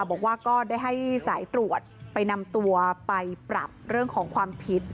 บอกว่าก็ได้ให้สายตรวจไปนำตัวไปปรับเรื่องของความผิด